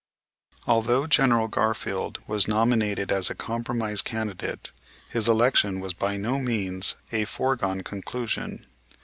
Although General Garfield was nominated as a compromise candidate his election was by no means a foregone conclusion.